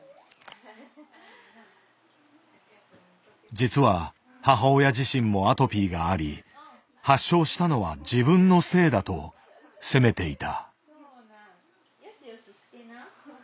実は母親自身もアトピーがあり発症したのは「自分のせい」だと責めていた。